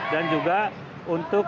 dan juga untuk